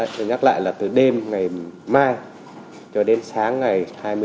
tôi nhắc lại là từ đêm ngày mai cho đến sáng ngày hai mươi chín